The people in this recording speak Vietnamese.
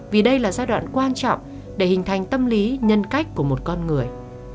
vì đây là giai đoạn quan trọng để hình thành tâm lý nhân cách của một con người